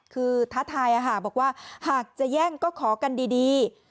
คือท้าทายบอกว่าหากจะแย่งก็ขอกันดี